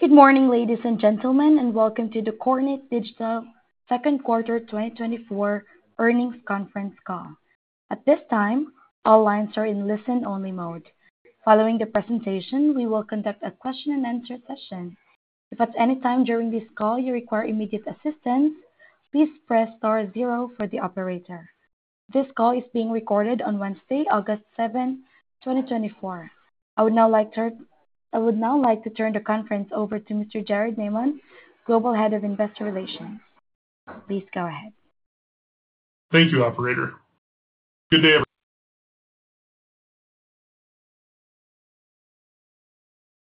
Good morning, ladies and gentlemen, and welcome to the Kornit Digital Second Quarter 2024 Earnings Conference Call. At this time, all lines are in listen-only mode. Following the presentation, we will conduct a question-and-answer session. If at any time during this call you require immediate assistance, please press star zero for the operator. This call is being recorded on Wednesday, August 7, 2024. I would now like to turn the conference over to Mr. Jared Maymon, Global Head of Investor Relations. Please go ahead. Thank you, operator. Good day,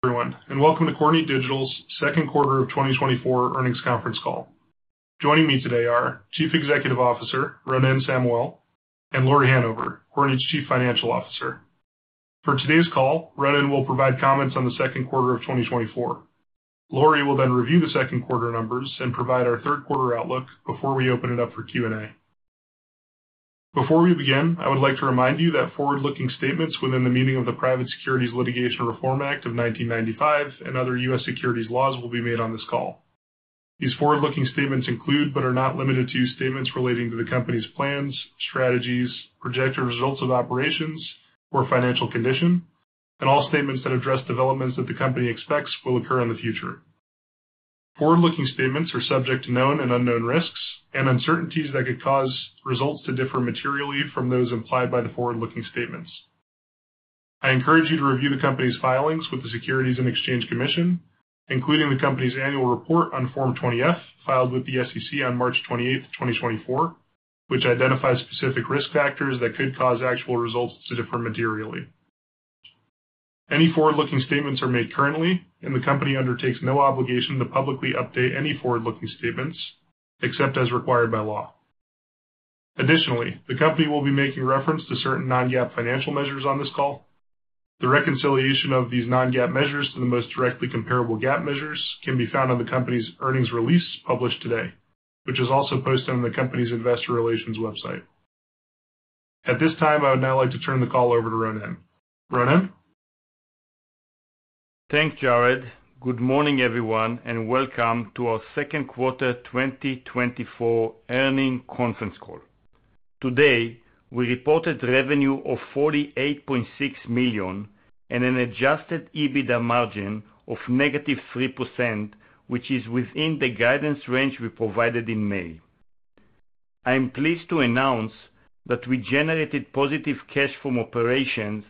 everyone, and welcome to Kornit Digital's second quarter of 2024 earnings conference call. Joining me today are Chief Executive Officer, Ronen Samuel, and Lauri Hanover, Kornit's Chief Financial Officer. For today's call, Ronen will provide comments on the second quarter of 2024. Lauri will then review the second quarter numbers and provide our third quarter outlook before we open it up for Q&A. Before we begin, I would like to remind you that forward-looking statements within the meaning of the Private Securities Litigation Reform Act of 1995 and other U.S. securities laws will be made on this call. These forward-looking statements include, but are not limited to, statements relating to the company's plans, strategies, projected results of operations or financial condition, and all statements that address developments that the company expects will occur in the future. Forward-looking statements are subject to known and unknown risks and uncertainties that could cause results to differ materially from those implied by the forward-looking statements. I encourage you to review the company's filings with the Securities and Exchange Commission, including the company's annual report on Form 20-F, filed with the SEC on March 28th, 2024, which identifies specific risk factors that could cause actual results to differ materially. Any forward-looking statements are made currently, and the company undertakes no obligation to publicly update any forward-looking statements, except as required by law. Additionally, the company will be making reference to certain non-GAAP financial measures on this call. The reconciliation of these non-GAAP measures to the most directly comparable GAAP measures can be found on the company's earnings release, published today, which is also posted on the company's investor relations website. At this time, I would now like to turn the call over to Ronen. Ronen? Thanks, Jared. Good morning, everyone, and welcome to our second quarter 2024 earnings conference call. Today, we reported revenue of $48.6 million and an adjusted EBITDA margin of -3%, which is within the guidance range we provided in May. I am pleased to announce that we generated positive cash from operations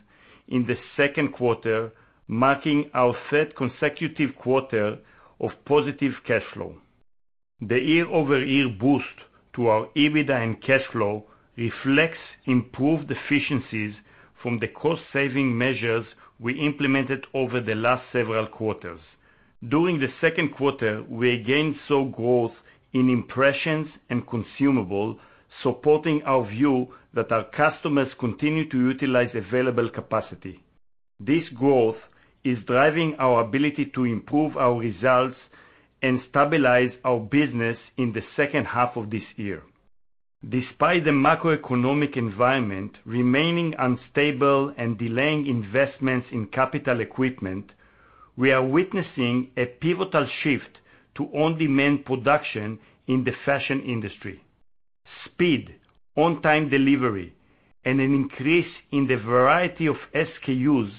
in the second quarter, marking our third consecutive quarter of positive cash flow. The year-over-year boost to our EBITDA and cash flow reflects improved efficiencies from the cost-saving measures we implemented over the last several quarters. During the second quarter, we again saw growth in impressions and consumables, supporting our view that our customers continue to utilize available capacity. This growth is driving our ability to improve our results and stabilize our business in the second half of this year. Despite the macroeconomic environment remaining unstable and delaying investments in capital equipment, we are witnessing a pivotal shift to on-demand production in the fashion industry. Speed, on-time delivery, and an increase in the variety of SKUs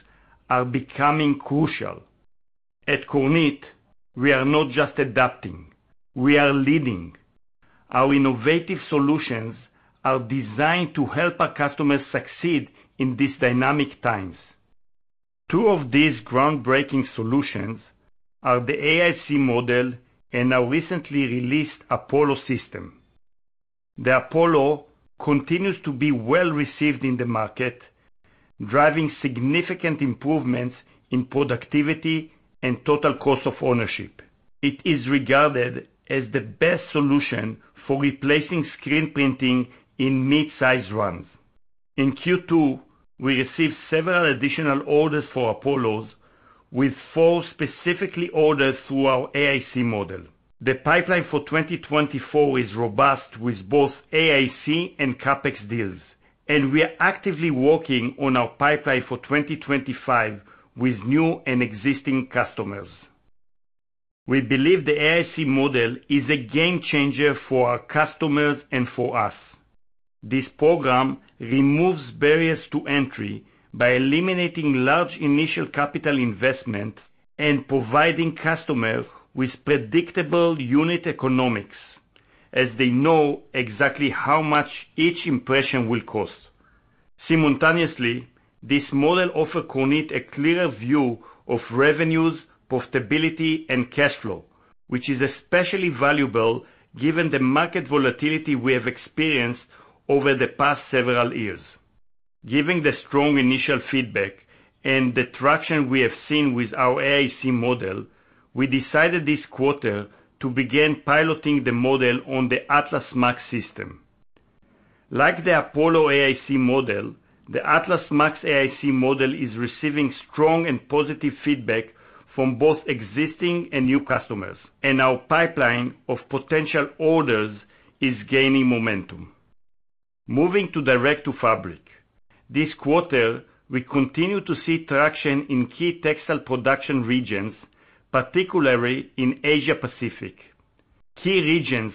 are becoming crucial. At Kornit, we are not just adapting, we are leading. Our innovative solutions are designed to help our customers succeed in these dynamic times. 2 of these groundbreaking solutions are the AIC model and our recently released Apollo system. The Apollo continues to be well-received in the market, driving significant improvements in productivity and total cost of ownership. It is regarded as the best solution for replacing screen printing in mid-size runs. In Q2, we received several additional orders for Apollos, with 4 specifically orders through our AIC model. The pipeline for 2024 is robust with both AIC and CapEx deals, and we are actively working on our pipeline for 2025 with new and existing customers. We believe the AIC model is a game changer for our customers and for us. This program removes barriers to entry by eliminating large initial capital investment and providing customers with predictable unit economics, as they know exactly how much each impression will cost. Simultaneously, this model offers Kornit a clearer view of revenues, profitability, and cash flow, which is especially valuable given the market volatility we have experienced over the past several years. Given the strong initial feedback and the traction we have seen with our AIC model, we decided this quarter to begin piloting the model on the Atlas MAX system. Like the Apollo AIC model, the Atlas MAX AIC model is receiving strong and positive feedback from both existing and new customers, and our pipeline of potential orders is gaining momentum. Moving to direct-to-fabric. This quarter, we continue to see traction in key textile production regions, particularly in Asia Pacific. Key regions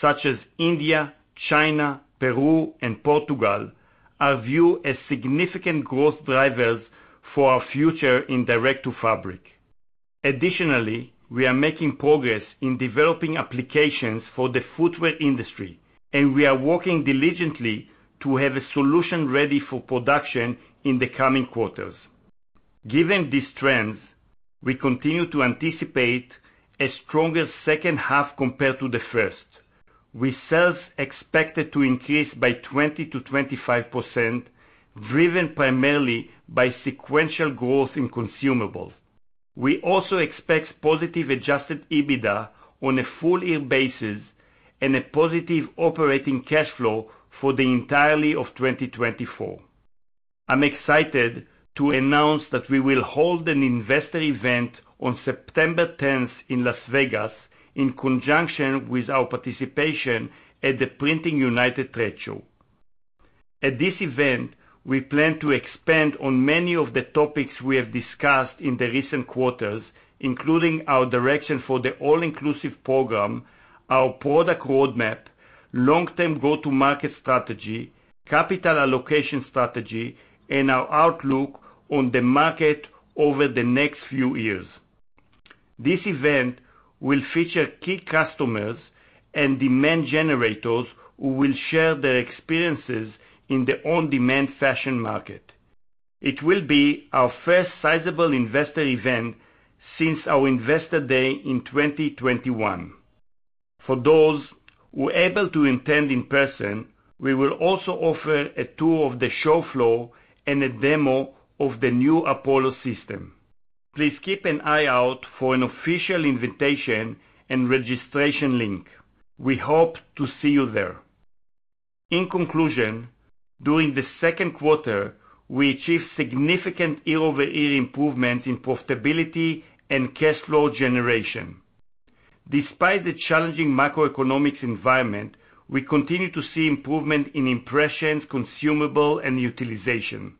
such as India, China, Peru and Portugal, are viewed as significant growth drivers for our future in direct-to-fabric. Additionally, we are making progress in developing applications for the footwear industry, and we are working diligently to have a solution ready for production in the coming quarters. Given these trends, we continue to anticipate a stronger second half compared to the first, with sales expected to increase by 20%-25%, driven primarily by sequential growth in consumables. We also expect positive Adjusted EBITDA on a full year basis and a positive operating cash flow for the entirety of 2024. I'm excited to announce that we will hold an investor event on September 10 in Las Vegas, in conjunction with our participation at the Printing United Trade Show. At this event, we plan to expand on many of the topics we have discussed in the recent quarters, including our direction for the all-inclusive program, our product roadmap, long-term go-to-market strategy, capital allocation strategy, and our outlook on the market over the next few years. This event will feature key customers and demand generators, who will share their experiences in the on-demand fashion market. It will be our first sizable investor event since our Investor Day in 2021. For those who are able to attend in person, we will also offer a tour of the show floor and a demo of the new Apollo system. Please keep an eye out for an official invitation and registration link. We hope to see you there. In conclusion, during the second quarter, we achieved significant year-over-year improvement in profitability and cash flow generation. Despite the challenging macroeconomic environment, we continue to see improvement in impressions, consumables, and utilization.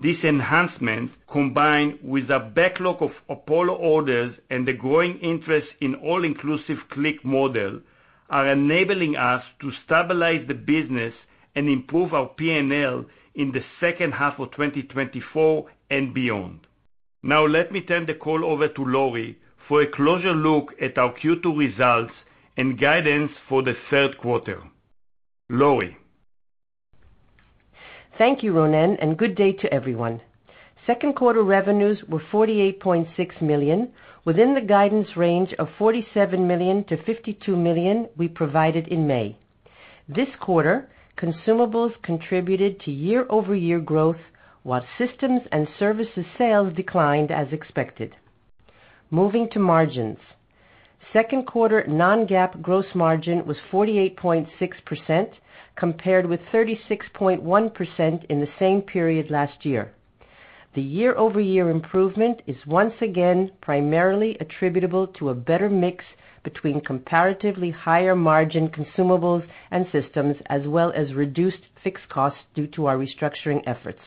These enhancements, combined with a backlog of Apollo orders and the growing interest in All-Inclusive Click model, are enabling us to stabilize the business and improve our P&L in the second half of 2024 and beyond. Now, let me turn the call over to Lauri for a closer look at our Q2 results and guidance for the third quarter. Lauri? Thank you, Ronen, and good day to everyone. Second quarter revenues were $48.6 million, within the guidance range of $47 million-$52 million we provided in May. This quarter, consumables contributed to year-over-year growth, while systems and services sales declined as expected. Moving to margins. Second quarter non-GAAP gross margin was 48.6%, compared with 36.1% in the same period last year. The year-over-year improvement is once again primarily attributable to a better mix between comparatively higher margin consumables and systems, as well as reduced fixed costs due to our restructuring efforts.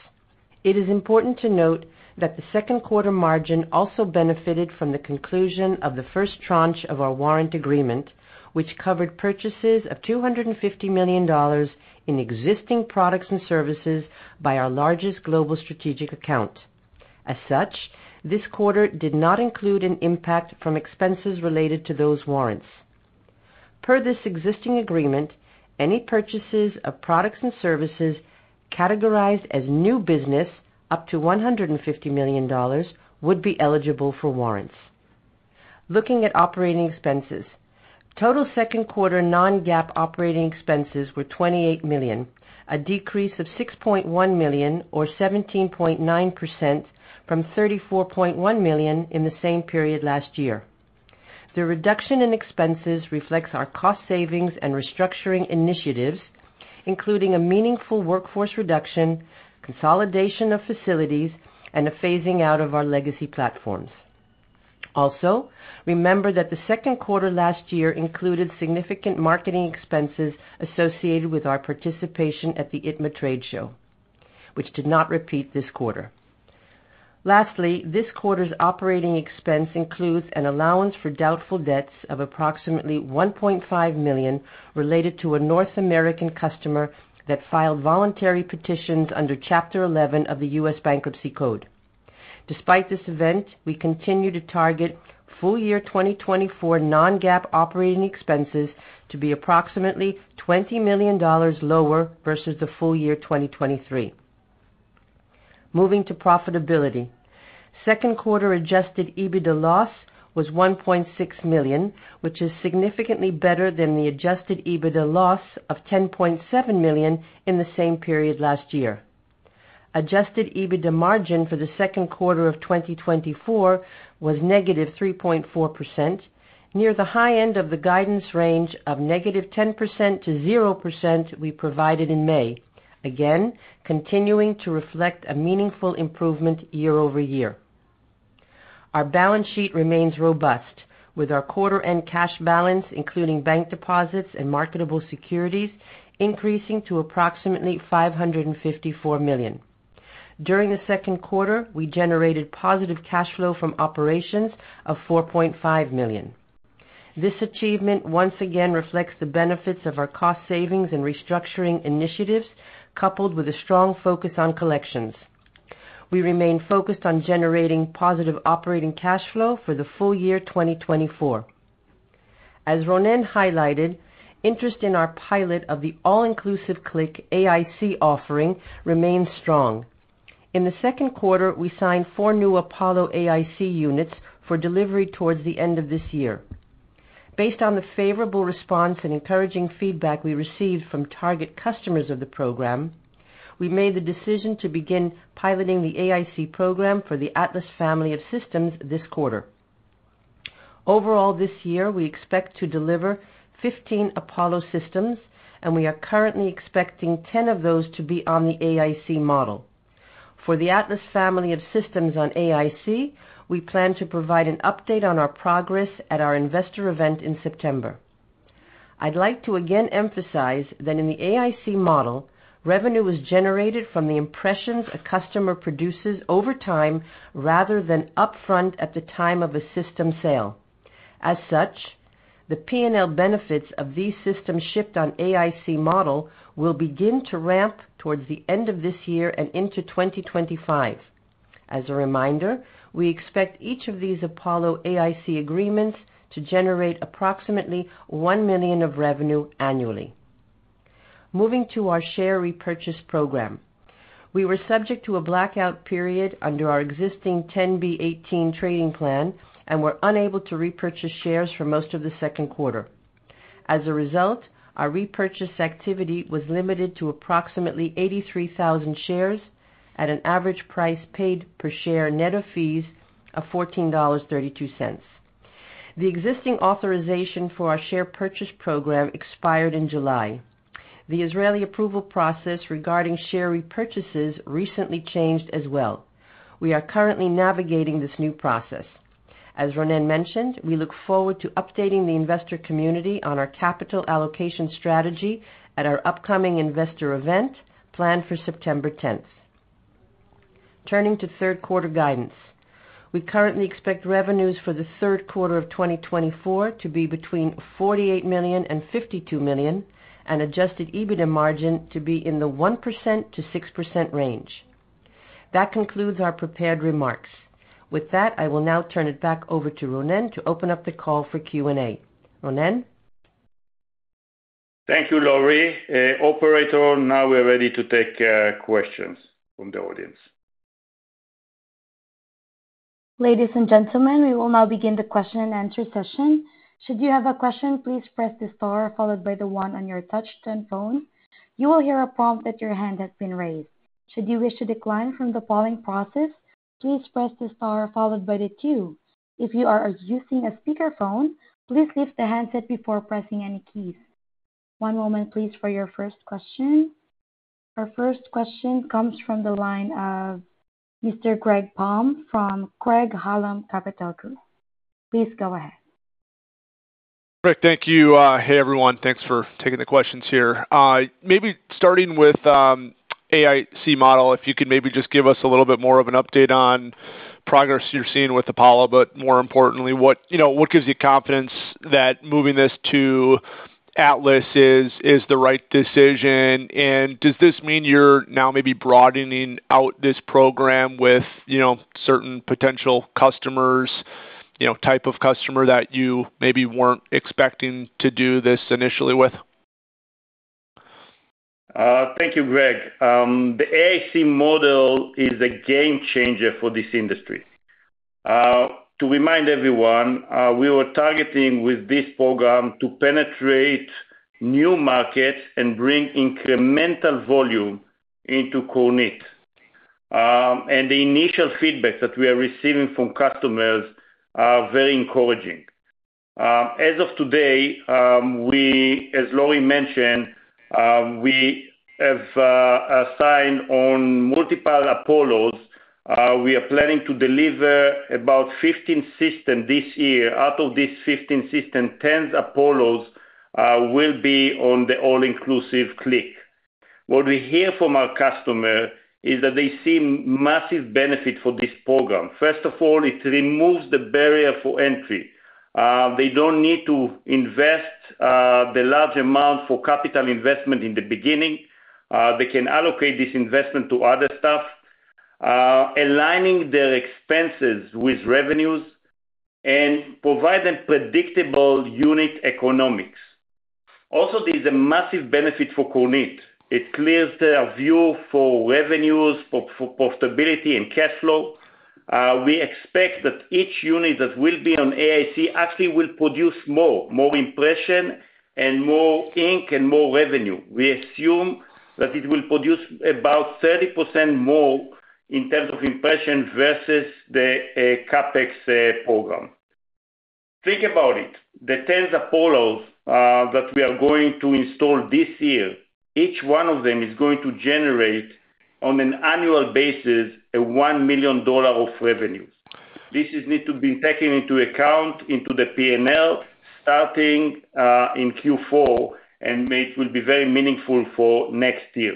It is important to note that the second quarter margin also benefited from the conclusion of the first tranche of our warrant agreement, which covered purchases of $250 million in existing products and services by our largest global strategic account. As such, this quarter did not include an impact from expenses related to those warrants. Per this existing agreement, any purchases of products and services categorized as new business, up to $150 million, would be eligible for warrants. Looking at operating expenses. Total second quarter non-GAAP operating expenses were $28 million, a decrease of $6.1 million, or 17.9% from $34.1 million in the same period last year. The reduction in expenses reflects our cost savings and restructuring initiatives, including a meaningful workforce reduction, consolidation of facilities, and a phasing out of our legacy platforms. Also, remember that the second quarter last year included significant marketing expenses associated with our participation at the ITMA Trade Show, which did not repeat this quarter. Lastly, this quarter's operating expense includes an allowance for doubtful debts of approximately $1.5 million, related to a North American customer that filed voluntary petitions under Chapter 11 of the U.S. Bankruptcy Code. Despite this event, we continue to target full year 2024 non-GAAP operating expenses to be approximately $20 million lower versus the full year 2023. Moving to profitability. Second quarter Adjusted EBITDA loss was $1.6 million, which is significantly better than the Adjusted EBITDA loss of $10.7 million in the same period last year. Adjusted EBITDA margin for the second quarter of 2024 was negative 3.4%, near the high end of the guidance range of -10% to 0% we provided in May. Again, continuing to reflect a meaningful improvement year-over-year.... Our balance sheet remains robust, with our quarter-end cash balance, including bank deposits and marketable securities, increasing to approximately $554 million. During the second quarter, we generated positive cash flow from operations of $4.5 million. This achievement once again reflects the benefits of our cost savings and restructuring initiatives, coupled with a strong focus on collections. We remain focused on generating positive operating cash flow for the full year 2024. As Ronen highlighted, interest in our pilot of the All-Inclusive Click AIC offering remains strong. In the second quarter, we signed 4 new Apollo AIC units for delivery towards the end of this year. Based on the favorable response and encouraging feedback we received from target customers of the program, we made the decision to begin piloting the AIC program for the Atlas family of systems this quarter. Overall, this year, we expect to deliver 15 Apollo systems, and we are currently expecting 10 of those to be on the AIC model. For the Atlas family of systems on AIC, we plan to provide an update on our progress at our investor event in September. I'd like to again emphasize that in the AIC model, revenue is generated from the impressions a customer produces over time rather than upfront at the time of a system sale. As such, the P&L benefits of these systems shipped on AIC model will begin to ramp towards the end of this year and into 2025. As a reminder, we expect each of these Apollo AIC agreements to generate approximately $1 million of revenue annually. Moving to our share repurchase program. We were subject to a blackout period under our existing 10b-18 trading plan and were unable to repurchase shares for most of the second quarter. As a result, our repurchase activity was limited to approximately 83,000 shares at an average price paid per share net of fees of $14.32. The existing authorization for our share purchase program expired in July. The Israeli approval process regarding share repurchases recently changed as well. We are currently navigating this new process. As Ronen mentioned, we look forward to updating the investor community on our capital allocation strategy at our upcoming investor event planned for September tenth. Turning to third quarter guidance. We currently expect revenues for the third quarter of 2024 to be between $48 million and $52 million, and Adjusted EBITDA margin to be in the 1%-6% range. That concludes our prepared remarks. With that, I will now turn it back over to Ronen to open up the call for Q&A. Ronen? Thank you, Lauri. Operator, now we're ready to take questions from the audience. Ladies and gentlemen, we will now begin the question and answer session. Should you have a question, please press the star followed by the one on your touchtone phone. You will hear a prompt that your hand has been raised. Should you wish to decline from the polling process, please press the star followed by the two. If you are using a speakerphone, please lift the handset before pressing any keys. One moment, please, for your first question. Our first question comes from the line of Mr. Greg Palm from Craig-Hallum Capital Group. Please go ahead. Greg, thank you. Hey, everyone. Thanks for taking the questions here. Maybe starting with AIC model, if you could maybe just give us a little bit more of an update on progress you're seeing with Apollo, but more importantly, what, you know, what gives you confidence that moving this to Atlas is, is the right decision? And does this mean you're now maybe broadening out this program with, you know, certain potential customers, you know, type of customer that you maybe weren't expecting to do this initially with? Thank you, Greg. The AIC model is a game changer for this industry. To remind everyone, we were targeting with this program to penetrate new markets and bring incremental volume into Kornit. And the initial feedback that we are receiving from customers are very encouraging. As of today, we, as Lauri mentioned, we have signed on multiple Apollos. We are planning to deliver about 15 systems this year. Out of these 15 systems, 10 Apollos will be on the All-Inclusive Click. What we hear from our customer is that they see massive benefit for this program. First of all, it removes the barrier for entry. They don't need to invest the large amount for capital investment in the beginning. They can allocate this investment to other stuff, aligning their expenses with revenues and provide them predictable unit economics. Also, there's a massive benefit for Kornit. It clears their view for revenues, for profitability and cash flow. We expect that each unit that will be on AIC actually will produce more impression and more ink and more revenue. We assume that it will produce about 30% more in terms of impression versus the CapEx program. Think about it. The 10 Apollos that we are going to install this year, each one of them is going to generate, on an annual basis, a $1 million of revenues. This is need to be taken into account into the P&L, starting in Q4, and maybe it will be very meaningful for next year.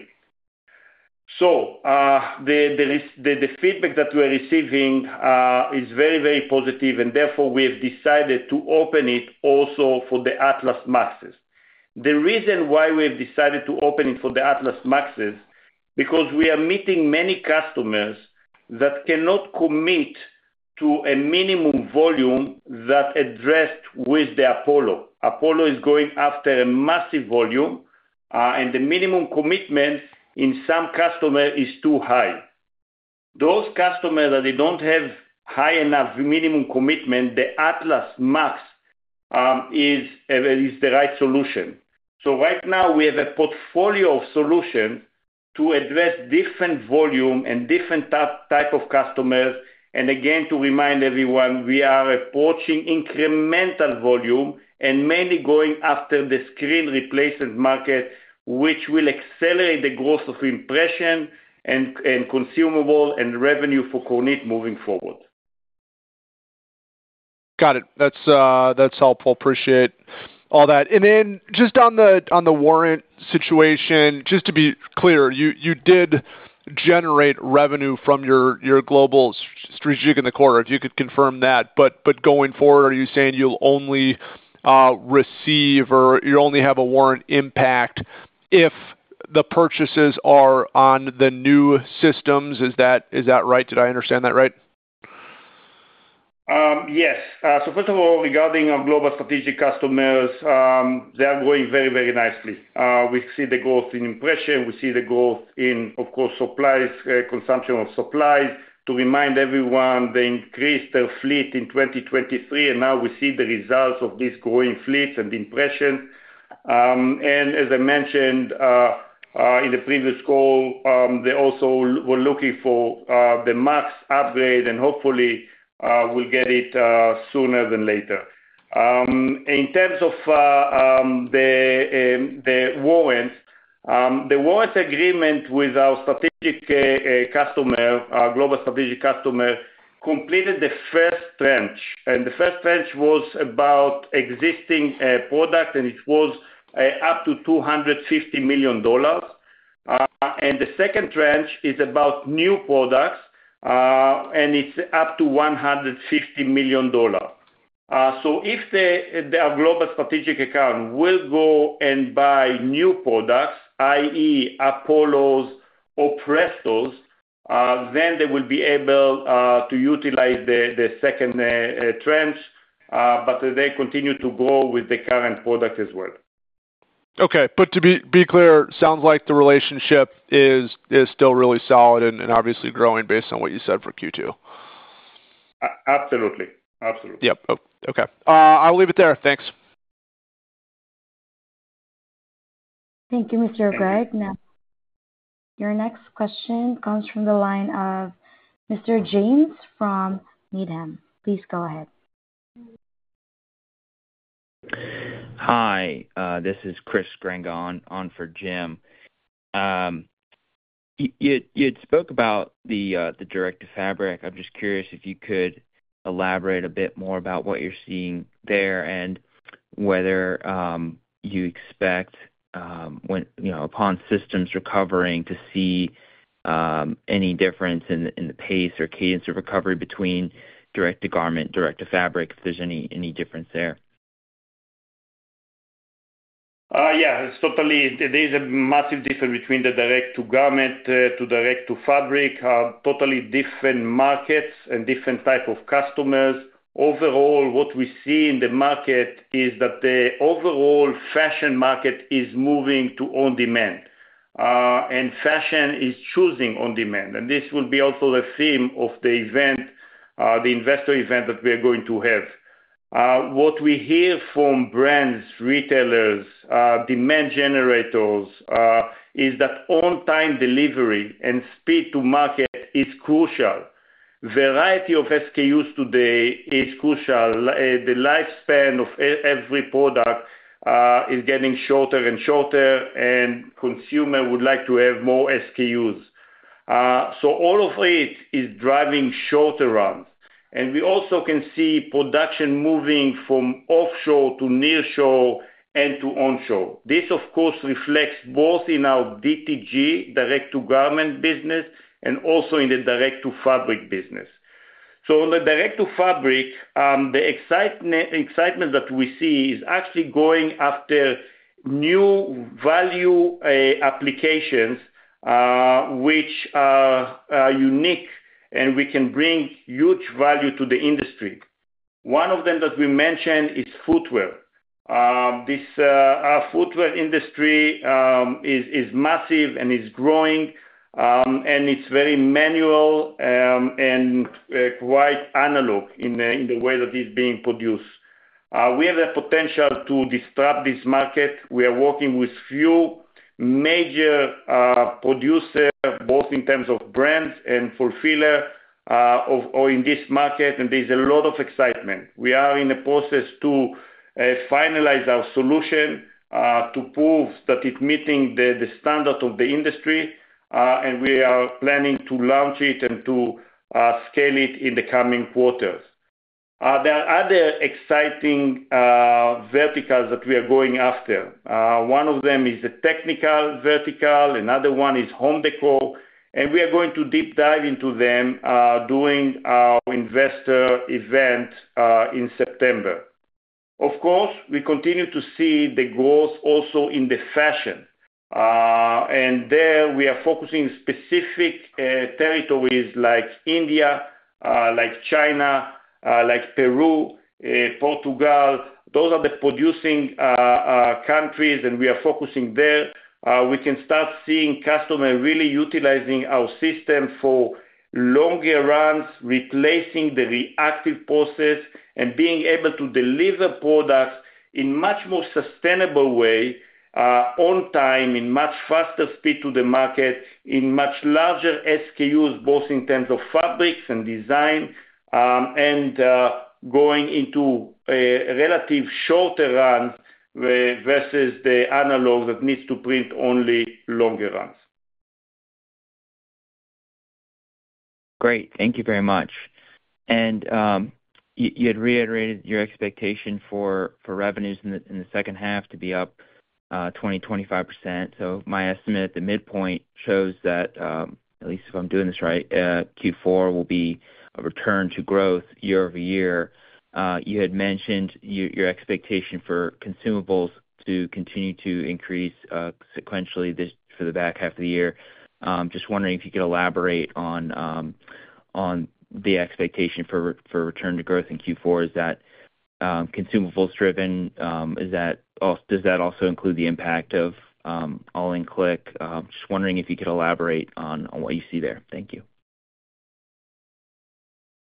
So, the feedback that we're receiving is very, very positive, and therefore we have decided to open it also for the Atlas MAXes. The reason why we have decided to open it for the Atlas MAXes, because we are meeting many customers that cannot commit to a minimum volume that addressed with the Apollo. Apollo is going after a massive volume, and the minimum commitment in some customer is too high. Those customers that they don't have high enough minimum commitment, the Atlas MAX is the right solution. So right now we have a portfolio of solution to address different volume and different type of customers. And again, to remind everyone, we are approaching incremental volume and mainly going after the screen replacement market, which will accelerate the growth of impression and consumable and revenue for Kornit moving forward. Got it. That's helpful. Appreciate all that. And then just on the warrant situation, just to be clear, you did generate revenue from your global strategic in the quarter, if you could confirm that. But going forward, are you saying you'll only receive or you only have a warrant impact if the purchases are on the new systems? Is that right? Did I understand that right? Yes. So first of all, regarding our global strategic customers, they are growing very, very nicely. We see the growth in impression, we see the growth in, of course, supplies, consumption of supplies. To remind everyone, they increased their fleet in 2023, and now we see the results of these growing fleets and the impression. And as I mentioned, in the previous call, they also were looking for, the MAX upgrade, and hopefully, we'll get it, sooner than later. In terms of, the warrant, the warrant agreement with our strategic, customer, our global strategic customer, completed the first tranche, and the first tranche was about existing, product, and it was, up to $250 million. And the second tranche is about new products, and it's up to $150 million. So if our global strategic account will go and buy new products, i.e., Apollos or Prestos, then they will be able to utilize the second tranche, but they continue to go with the current product as well. Okay, but to be clear, sounds like the relationship is still really solid and obviously growing based on what you said for Q2. A-absolutely. Absolutely. Yep. Okay. I'll leave it there. Thanks. Thank you, Mr. Greg. Now, your next question comes from the line of Mr. Jim from Needham. Please go ahead. Hi, this is Chris Grenga on for Jim. You spoke about the direct-to-fabric. I'm just curious if you could elaborate a bit more about what you're seeing there, and whether you expect, when, you know, upon systems recovering, to see any difference in the pace or cadence of recovery between direct-to-garment, direct-to-fabric, if there's any difference there? Yeah, it's totally. There's a massive difference between the direct-to-garment to direct-to-fabric. Totally different markets and different type of customers. Overall, what we see in the market is that the overall fashion market is moving to on-demand, and fashion is choosing on-demand, and this will be also a theme of the event, the investor event that we are going to have. What we hear from brands, retailers, demand generators, is that on-time delivery and speed to market is crucial. Variety of SKUs today is crucial. The lifespan of every product is getting shorter and shorter, and consumer would like to have more SKUs. So all of it is driving shorter runs. And we also can see production moving from offshore to nearshore and to onshore. This, of course, reflects both in our DTG, direct-to-garment business, and also in the direct-to-fabric business. So on the direct-to-fabric, the excitement that we see is actually going after new value applications, which are unique, and we can bring huge value to the industry. One of them that we mentioned is footwear. This footwear industry is massive and is growing, and it's very manual, and quite analog in the way that it's being produced. We have the potential to disrupt this market. We are working with few major producers both in terms of brands and fulfillers or in this market, and there's a lot of excitement. We are in the process to finalize our solution to prove that it's meeting the standard of the industry, and we are planning to launch it and to scale it in the coming quarters. There are other exciting verticals that we are going after. One of them is the technical vertical, another one is home decor, and we are going to deep dive into them during our investor event in September. Of course, we continue to see the growth also in the fashion. And there we are focusing specific territories like India, like China, like Peru, Portugal. Those are the producing countries, and we are focusing there. We can start seeing customers really utilizing our system for longer runs, replacing the reactive process, and being able to deliver products in much more sustainable way, on time, in much faster speed to the market, in much larger SKUs, both in terms of fabrics and design, and going into a relative shorter run versus the analog that needs to print only longer runs. Great. Thank you very much. You had reiterated your expectation for revenues in the second half to be up 20-25%. So my estimate at the midpoint shows that, at least if I'm doing this right, Q4 will be a return to growth year-over-year. You had mentioned your expectation for consumables to continue to increase sequentially for the back half of the year. Just wondering if you could elaborate on the expectation for return to growth in Q4. Is that consumables driven? Does that also include the impact of all-in click? Just wondering if you could elaborate on what you see there. Thank you.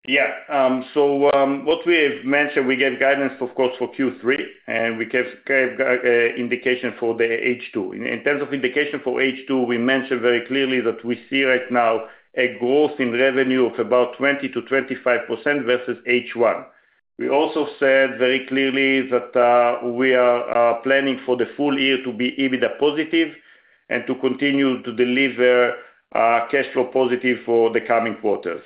Yeah. So, what we have mentioned, we gave guidance, of course, for Q3, and we gave indication for the H2. In terms of indication for H2, we mentioned very clearly that we see right now a growth in revenue of about 20%-25% versus H1. We also said very clearly that we are planning for the full year to be EBITDA positive and to continue to deliver cash flow positive for the coming quarters.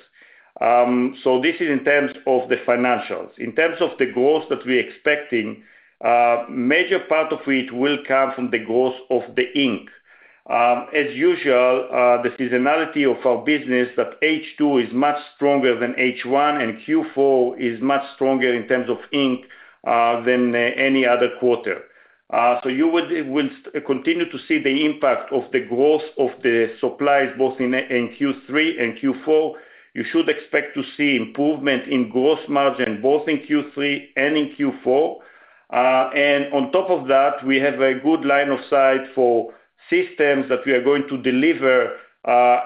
So this is in terms of the financials. In terms of the growth that we're expecting, major part of it will come from the growth of the ink. As usual, the seasonality of our business, that H2 is much stronger than H1, and Q4 is much stronger in terms of ink than any other quarter. You would will continue to see the impact of the growth of the supplies both in Q3 and Q4. You should expect to see improvement in gross margin, both in Q3 and in Q4. On top of that, we have a good line of sight for systems that we are going to deliver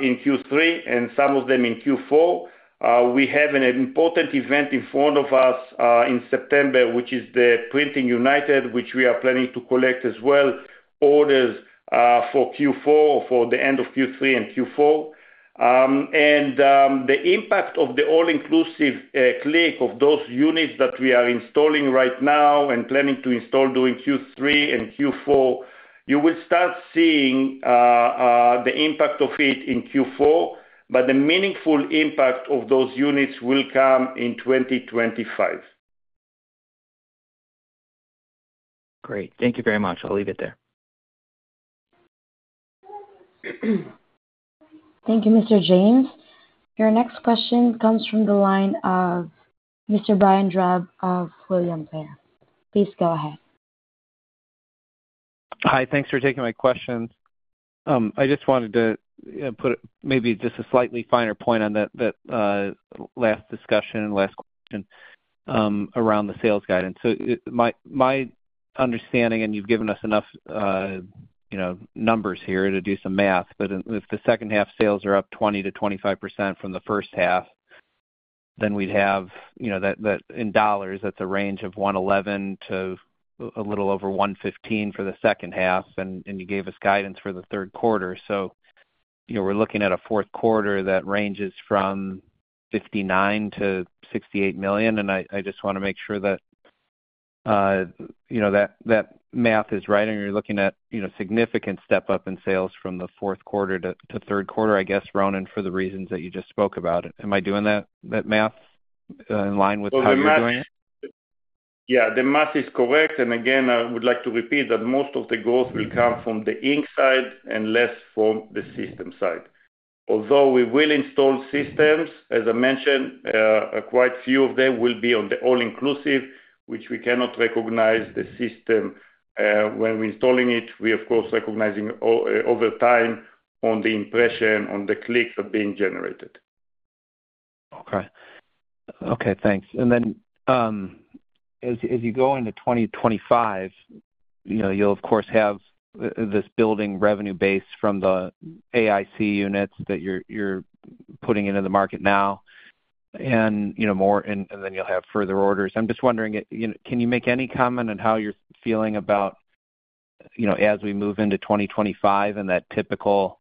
in Q3, and some of them in Q4. We have an important event in front of us in September, which is the Printing United, which we are planning to collect as well, orders for Q4, for the end of Q3 and Q4. The impact of the All-Inclusive Click of those units that we are installing right now and planning to install during Q3 and Q4, you will start seeing the impact of it in Q4, but the meaningful impact of those units will come in 2025. Great. Thank you very much. I'll leave it there. Thank you, Mr. James. Your next question comes from the line of Mr. Brian Drab of William Blair. Please go ahead. Hi, thanks for taking my questions. I just wanted to put maybe just a slightly finer point on that last discussion and last question around the sales guidance. So, my understanding, and you've given us enough, you know, numbers here to do some math, but if the second half sales are up 20%-25% from the first half, then we'd have, you know, that in dollars, that's a range of $111 million to a little over $115 million for the second half, and you gave us guidance for the third quarter. So, you know, we're looking at a fourth quarter that ranges from $59 million-$68 million, and I just wanna make sure that, you know, that math is right, and you're looking at, you know, significant step up in sales from the fourth quarter to third quarter, I guess, Ronen, for the reasons that you just spoke about it. Am I doing that math in line with how you're doing it? Yeah, the math is correct. And again, I would like to repeat that most of the growth will come from the ink side and less from the system side. Although we will install systems, as I mentioned, quite a few of them will be on the all-inclusive, which we cannot recognize the system, when we're installing it. We of course, recognizing over time on the impression, on the clicks are being generated. Okay. Okay, thanks. And then, as you go into 2025, you know, you'll of course have this building revenue base from the AIC units that you're putting into the market now, and, you know, more, and then you'll have further orders. I'm just wondering, you know, can you make any comment on how you're feeling about you know, as we move into 2025 and that typical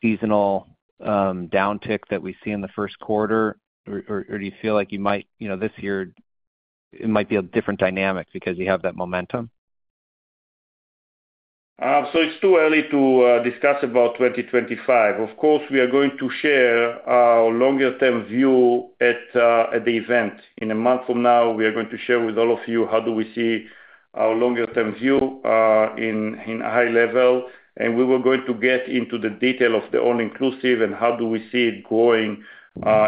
seasonal downtick that we see in the first quarter, or do you feel like you might, you know, this year it might be a different dynamic because you have that momentum? So it's too early to discuss about 2025. Of course, we are going to share our longer term view at the event. In a month from now, we are going to share with all of you how do we see our longer term view in high level, and we were going to get into the detail of the all inclusive and how do we see it growing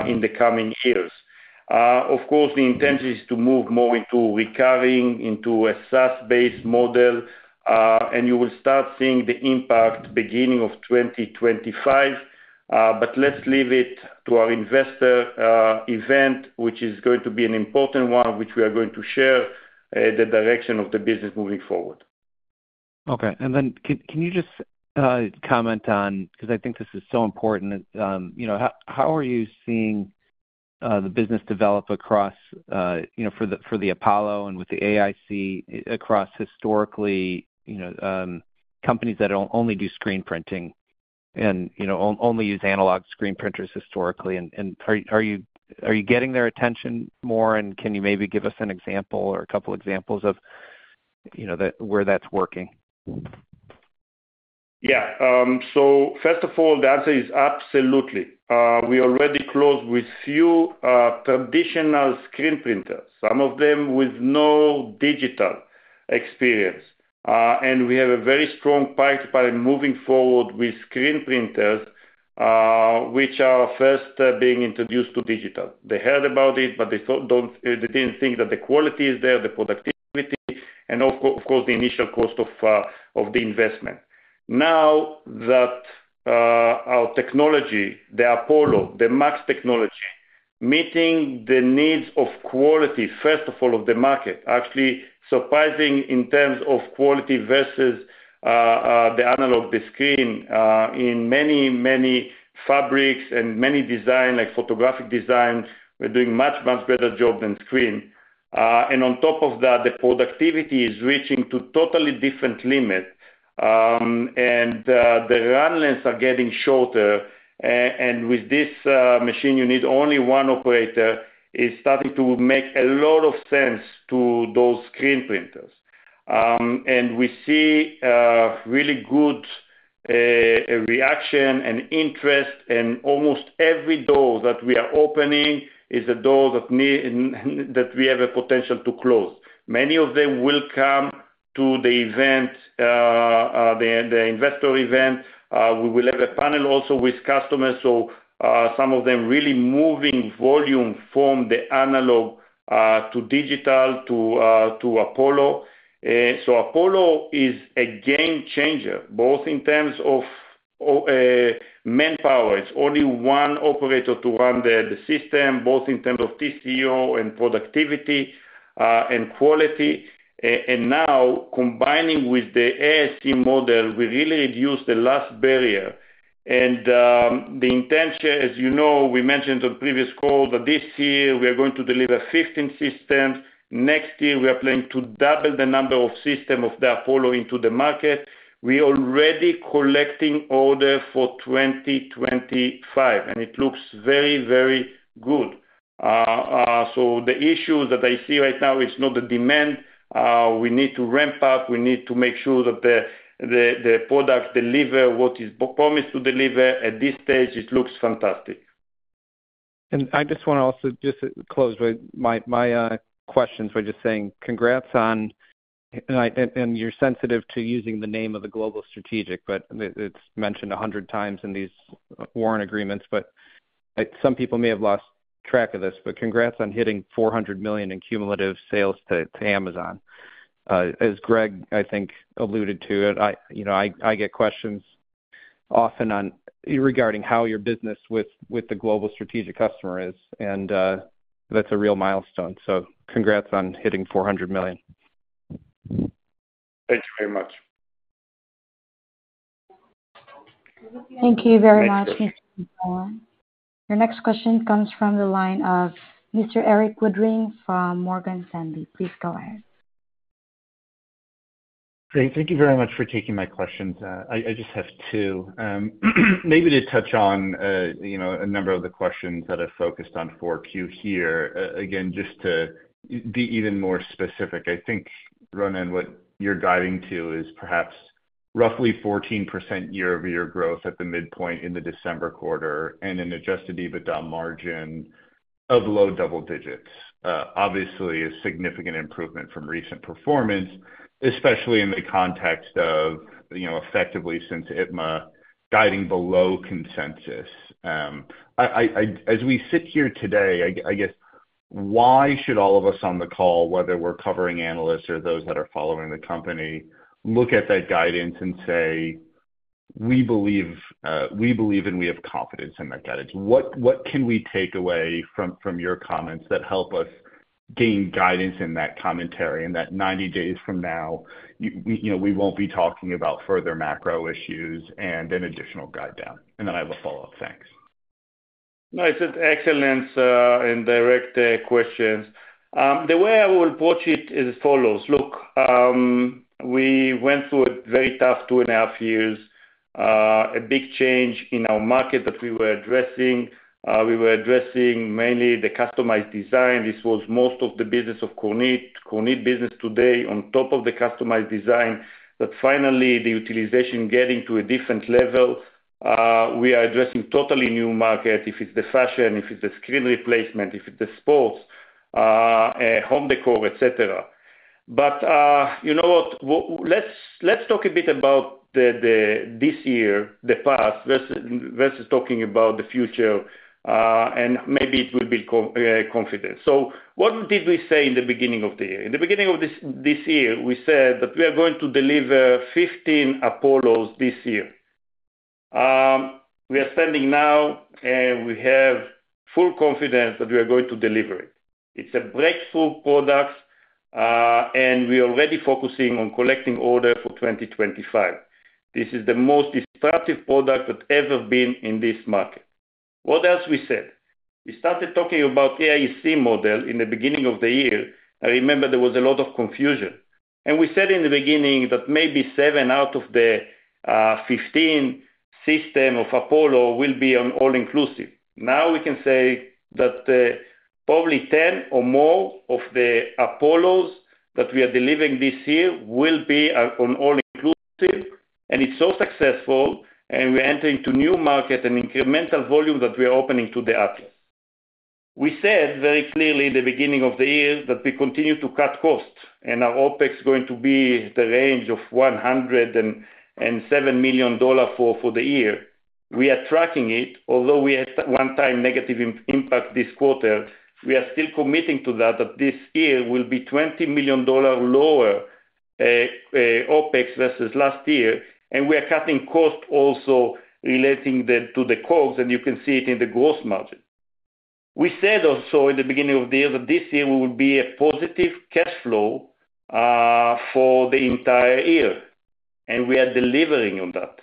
in the coming years. Of course, the intention is to move more into recurring, into a SaaS-based model, and you will start seeing the impact beginning of 2025. But let's leave it to our investor event, which is going to be an important one, which we are going to share the direction of the business moving forward. Okay. And then can you just comment on, because I think this is so important, you know, how are you seeing the business develop across, you know, for the Apollo and with the AIC across historically, you know, companies that only do screen printing and, you know, only use analog screen printers historically? And are you getting their attention more, and can you maybe give us an example or a couple examples of, you know, that where that's working? Yeah. So first of all, the answer is absolutely. We already closed with few traditional screen printers, some of them with no digital experience. And we have a very strong pipe by moving forward with screen printers, which are first being introduced to digital. They heard about it, but they thought they didn't think that the quality is there, the productivity, and of course, the initial cost of the investment. Now that our technology, the Apollo, the MAX technology, meeting the needs of quality, first of all, of the market, actually surprising in terms of quality versus the analog, the screen, in many, many fabrics and many design, like photographic designs, we're doing much, much better job than screen. And on top of that, the productivity is reaching to totally different limit, and the run lengths are getting shorter. And with this machine, you need only one operator, is starting to make a lot of sense to those screen printers. And we see really good reaction and interest, and almost every door that we are opening is a door that we have a potential to close. Many of them will come to the event, the investor event. We will have a panel also with customers, so some of them really moving volume from the analog to digital, to Apollo. So Apollo is a game changer, both in terms of manpower. It's only one operator to run the system, both in terms of TCO and productivity, and quality. And now, combining with the AIC model, we really reduce the last barrier. And, the intention, as you know, we mentioned on previous call, that this year we are going to deliver 15 systems. Next year, we are planning to double the number of system of the Apollo into the market. We're already collecting orders for 2025, and it looks very, very good. So the issue that I see right now is not the demand. We need to ramp up. We need to make sure that the product deliver what is promised to deliver. At this stage, it looks fantastic. I just want to also just close with my questions by just saying congrats on... And you're sensitive to using the name of the global strategic, but it's mentioned 100 times in these warrant agreements, but some people may have lost track of this, but congrats on hitting $400 million in cumulative sales to Amazon. As Greg, I think, alluded to it, you know, I get questions often on regarding how your business with the global strategic customer is, and that's a real milestone. So congrats on hitting $400 million. Thank you very much. Thank you very much, Mr. Brian. Your next question comes from the line of Mr. Erik Woodring from Morgan Stanley. Please go ahead. Great, thank you very much for taking my questions. I just have two. Maybe to touch on, you know, a number of the questions that are focused on 4Q here. Again, just to be even more specific, I think, Ronen, what you're guiding to is perhaps roughly 14% year-over-year growth at the midpoint in the December quarter, and an adjusted EBITDA margin of low double digits. Obviously, a significant improvement from recent performance, especially in the context of, you know, effectively since ITMA, guiding below consensus. As we sit here today, I guess, why should all of us on the call, whether we're covering analysts or those that are following the company, look at that guidance and say, "We believe, we believe and we have confidence in that guidance?" What can we take away from your comments that help us gain guidance in that commentary, and that 90 days from now, you know, we won't be talking about further macro issues and an additional guide down? And then I have a follow-up. Thanks.... No, it's an excellent, and direct, question. The way I will approach it is as follows: Look, we went through a very tough 2.5 years, a big change in our market that we were addressing. We were addressing mainly the customized design. This was most of the business of Kornit. Kornit business today, on top of the customized design, that finally the utilization getting to a different level. We are addressing totally new market, if it's the fashion, if it's the screen replacement, if it's the sports, home decor, et cetera. But, you know what? Let's talk a bit about the this year, the past, versus talking about the future, and maybe it will be confident. So what did we say in the beginning of the year? In the beginning of this year, we said that we are going to deliver 15 Apollos this year. We are standing now, and we have full confidence that we are going to deliver it. It's a breakthrough product, and we're already focusing on collecting order for 2025. This is the most disruptive product that ever been in this market. What else we said? We started talking about AIC model in the beginning of the year. I remember there was a lot of confusion. And we said in the beginning that maybe seven out of the fifteen system of Apollo will be on all-inclusive. Now, we can say that probably ten or more of the Apollos that we are delivering this year will be on all-inclusive. It's so successful, and we're entering to new market and incremental volume that we are opening to the Atlas. We said very clearly in the beginning of the year that we continue to cut costs, and our OpEx is going to be the range of $107 million for the year. We are tracking it, although we had one-time negative impact this quarter, we are still committing to that this year will be $20 million lower OpEx versus last year, and we are cutting costs also relating to the COGS, and you can see it in the gross margin. We said also in the beginning of the year that this year will be a positive cash flow for the entire year, and we are delivering on that.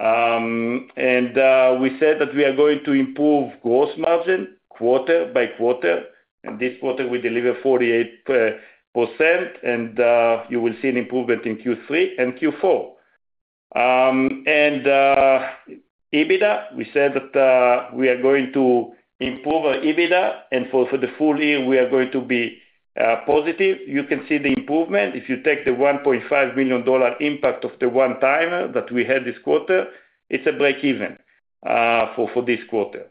And we said that we are going to improve gross margin quarter by quarter, and this quarter we deliver 48%, and you will see an improvement in Q3 and Q4. And EBITDA, we said that we are going to improve our EBITDA, and for the full year, we are going to be positive. You can see the improvement. If you take the $1.5 billion impact of the one-time that we had this quarter, it's a breakeven for this quarter.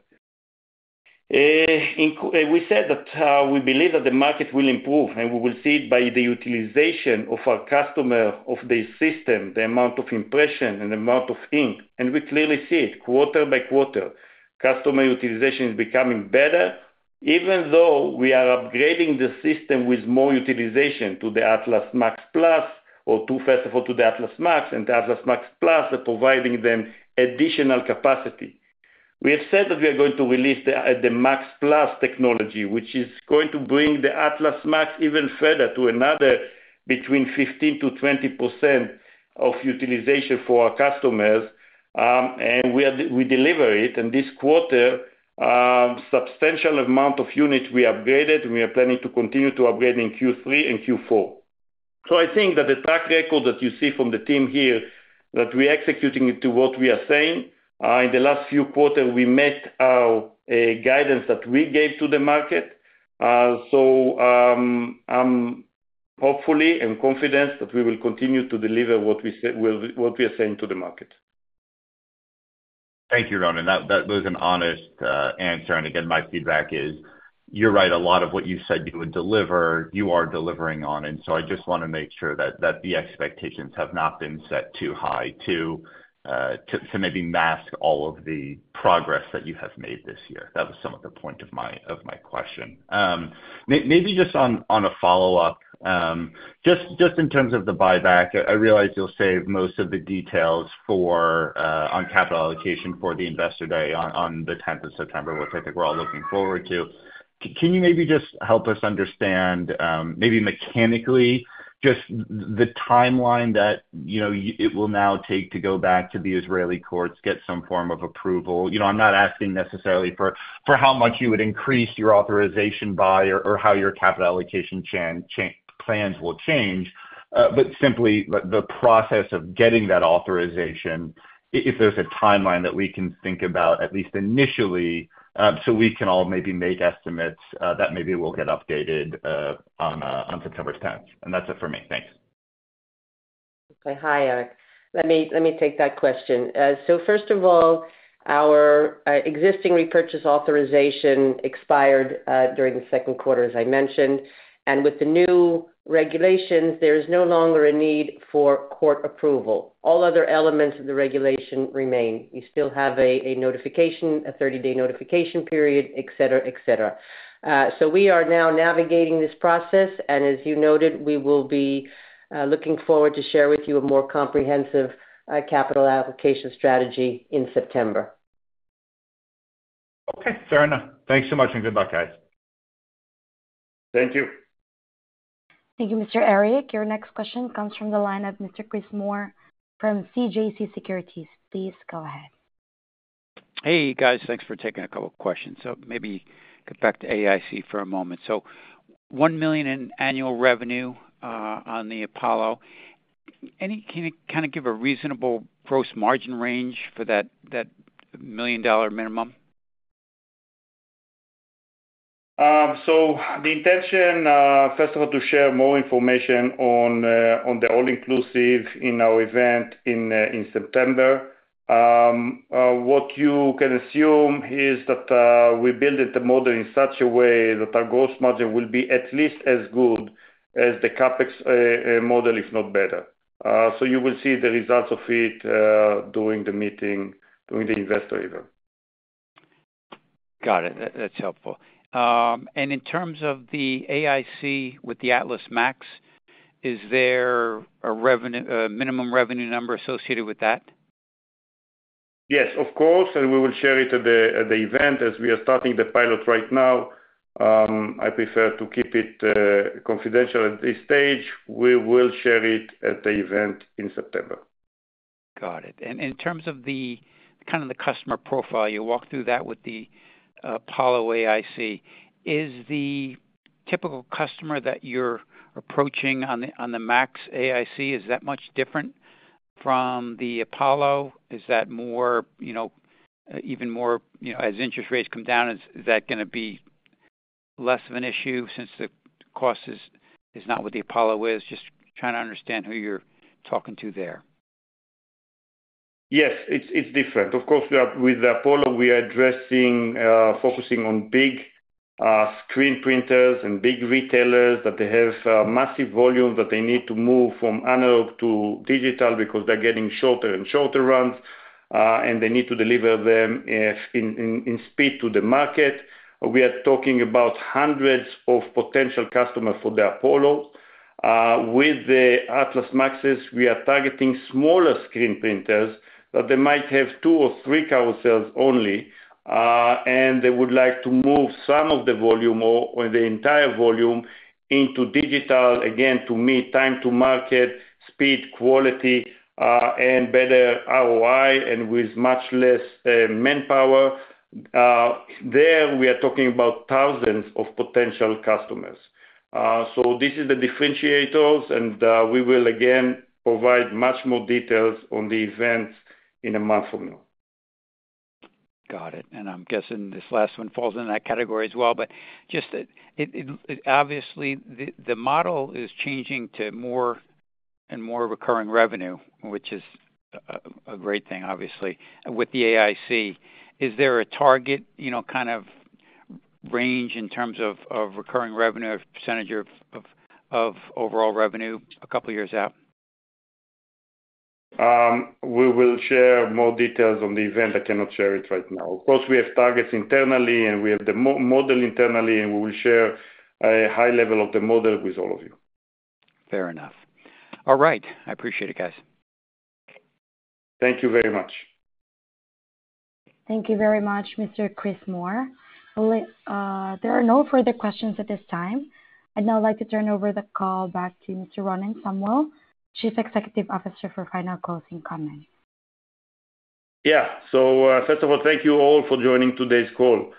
We said that we believe that the market will improve, and we will see it by the utilization of our customer, of the system, the amount of impression and the amount of ink, and we clearly see it quarter by quarter. Customer utilization is becoming better, even though we are upgrading the system with more utilization to the Atlas MAX PLUS, or to, first of all, to the Atlas MAX and the Atlas MAX PLUS, are providing them additional capacity. We have said that we are going to release the, the MAX PLUS technology, which is going to bring the Atlas MAX even further to another between 15%-20% of utilization for our customers, and we are, we deliver it. And this quarter, substantial amount of units we upgraded, and we are planning to continue to upgrade in Q3 and Q4. So I think that the track record that you see from the team here, that we're executing it to what we are saying. In the last few quarter, we met our, guidance that we gave to the market. I'm hopefully and confident that we will continue to deliver what we said... we, what we are saying to the market. Thank you, Ron, and that, that was an honest answer. And again, my feedback is, you're right, a lot of what you said you would deliver, you are delivering on. And so I just wanna make sure that, that the expectations have not been set too high to, to maybe mask all of the progress that you have made this year. That was some of the point of my, of my question. Maybe just on a follow-up, just in terms of the buyback, I realize you'll save most of the details for on capital allocation for the Investor Day on, on the tenth of September, which I think we're all looking forward to. Can you maybe just help us understand, maybe mechanically, just the timeline that, you know, it will now take to go back to the Israeli courts, get some form of approval? You know, I'm not asking necessarily for, for how much you would increase your authorization by or, or how your capital allocation plans will change, but simply the, the process of getting that authorization, if there's a timeline that we can think about, at least initially, so we can all maybe make estimates, that maybe will get updated, on, on September tenth. And that's it for me. Thanks. Hi, Erik. Let me take that question. So first of all, our existing repurchase authorization expired during the second quarter, as I mentioned, and with the new regulations, there is no longer a need for court approval. All other elements of the regulation remain. We still have a notification, a 30-day notification period, et cetera, et cetera. So we are now navigating this process, and as you noted, we will be looking forward to share with you a more comprehensive capital allocation strategy in September. Okay, fair enough. Thanks so much, and good luck, guys.... Thank you. Thank you, Mr. Erik. Your next question comes from the line of Mr. Chris Moore from CJS Securities. Please go ahead. Hey, guys. Thanks for taking a couple questions. So maybe get back to AIC for a moment. So $1 million in annual revenue on the Apollo. Can you kind of give a reasonable gross margin range for that, that $1 million minimum? So the intention, first of all, to share more information on the all-inclusive in our event in September. What you can assume is that we built the model in such a way that our gross margin will be at least as good as the CapEx model, if not better. So you will see the results of it during the meeting, during the investor event. Got it. That, that's helpful. And in terms of the AIC with the Atlas MAX, is there a minimum revenue number associated with that? Yes, of course, and we will share it at the event. As we are starting the pilot right now, I prefer to keep it confidential at this stage. We will share it at the event in September. Got it. And in terms of the kind of the customer profile, you walk through that with the Apollo AIC. Is the typical customer that you're approaching on the, on the Max AIC, is that much different from the Apollo? Is that more, you know, even more, you know, as interest rates come down, is, is that gonna be less of an issue since the cost is, is not what the Apollo is? Just trying to understand who you're talking to there. Yes, it's different. Of course, we are with Apollo. We are addressing, focusing on big screen printers and big retailers, that they have massive volume, that they need to move from analog to digital because they're getting shorter and shorter runs, and they need to deliver them in speed to the market. We are talking about hundreds of potential customers for the Apollo. With the Atlas MAXes, we are targeting smaller screen printers, that they might have two or three carousels only, and they would like to move some of the volume or the entire volume into digital, again, to meet time to market, speed, quality, and better ROI and with much less manpower. There, we are talking about thousands of potential customers. This is the differentiators, and we will again provide much more details on the event in a month from now. Got it. And I'm guessing this last one falls into that category as well, but just it, obviously, the model is changing to more and more recurring revenue, which is a great thing, obviously, with the AIC. Is there a target, you know, kind of range in terms of recurring revenue or percentage of overall revenue a couple years out? We will share more details on the event. I cannot share it right now. Of course, we have targets internally, and we have the model internally, and we will share a high level of the model with all of you. Fair enough. All right. I appreciate it, guys. Thank you very much. Thank you very much, Mr. Chris Moore. Well, there are no further questions at this time. I'd now like to turn over the call back to Mr. Ronen Samuel, Chief Executive Officer, for final closing comments. Yeah. So, first of all, thank you all for joining today's call.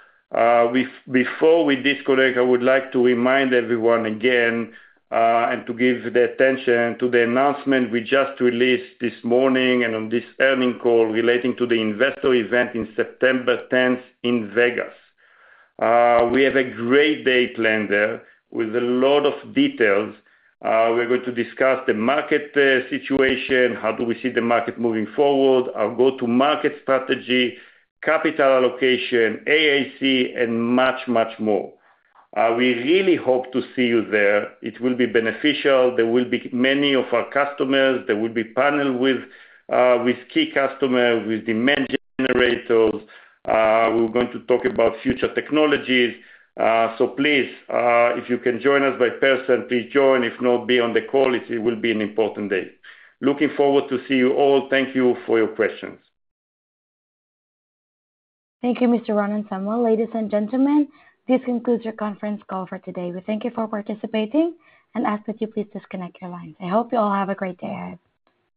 Before we disconnect, I would like to remind everyone again, and to give the attention to the announcement we just released this morning and on this earnings call relating to the investor event in September tenth in Vegas. We have a great day planned there with a lot of details. We're going to discuss the market situation, how do we see the market moving forward, our go-to market strategy, capital allocation, AIC, and much, much more. We really hope to see you there. It will be beneficial. There will be many of our customers. There will be panel with key customers, with demand generators. We're going to talk about future technologies. So please, if you can join us in person, please join. If not, be on the call. It will be an important day. Looking forward to see you all. Thank you for your questions. Thank you, Mr. Ronen Samuel. Ladies and gentlemen, this concludes your conference call for today. We thank you for participating and ask that you please disconnect your lines. I hope you all have a great day ahead.